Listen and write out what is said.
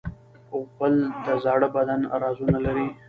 غول د زاړه بدن رازونه لري.